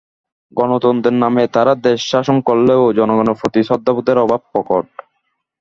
গণতন্ত্রের নামে তারা দেশ শাসন করলেও জনগণের প্রতি শ্রদ্ধাবোধের অভাব প্রকট।